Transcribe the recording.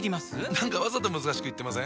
何かわざと難しく言ってません？